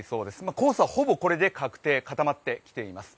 コースはほぼこれで確定、固まってきています。